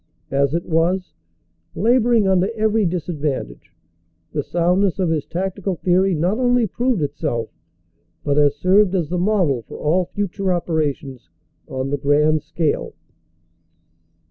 As it was, labor ing under every disadvantage, the soundness of his tactical theory not only proved itself, but has served as the model for all future operations on the grand scale.